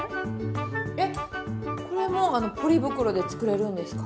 えっこれもポリ袋で作れるんですか？